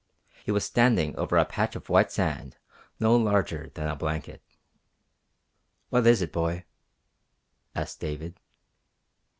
He was standing over a patch of white sand no larger than a blanket. "What is it, boy?" asked David.